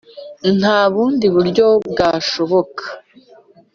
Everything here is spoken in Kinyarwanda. nta bundi buryo bwashoboka